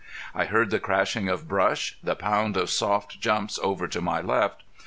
I heard the crashing of brush, the pound of soft jumps over to my left.